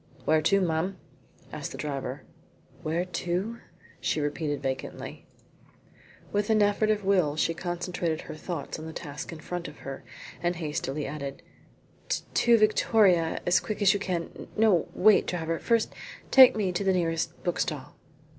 "Where to, ma'am?" asked the driver. "Where to?" she repeated vacantly. With an effort of will she concentrated her thoughts on the task in front of her, and hastily added, "To Victoria, as quick as you can. No wait driver, first take me to the nearest bookstall."